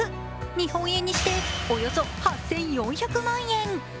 日本円にしておよそ８４００万円！